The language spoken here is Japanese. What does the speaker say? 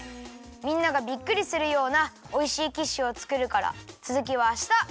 みんながびっくりするようなおいしいキッシュをつくるからつづきはあした！